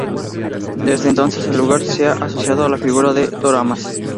Desde entonces el lugar se ha asociado a la figura de Doramas.